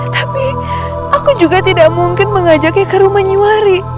tapi aku juga tidak mungkin mengajaknya ke rumah nyuwari